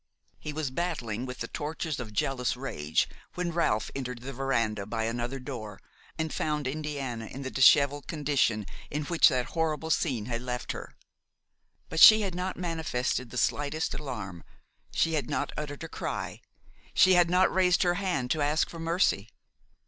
He was battling with the tortures of jealous rage, when Ralph entered the veranda by another door and found Indiana in the disheveled condition in which that horrible scene had left her. But she had not manifested the slightest alarm, she had not uttered a cry, she had not raised her hand to ask for mercy.